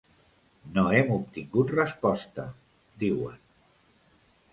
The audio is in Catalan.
No hem obtingut resposta, diuen.